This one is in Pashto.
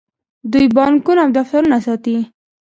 دوی بانکونه او دفترونه ساتي.